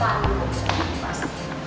pandu suami pas